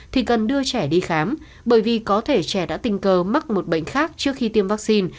thì cần đưa trẻ đi khám bởi vì có thể trẻ đã tình cờ mắc một bệnh khác trước khi tiêm vaccine